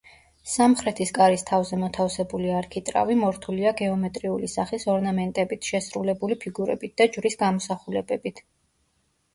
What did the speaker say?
სამხრეთის კარის თავზე მოთავსებული არქიტრავი მორთულია გეომეტრიული სახის ორნამენტებით შესრულებული ფიგურებით და ჯვრის გამოსახულებებით.